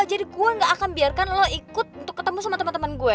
jadi gue gak akan biarkan lo ikut untuk ketemu sama temen temen gue